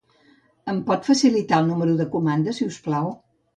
Em pot facil·litar el número de comanda, si us plau?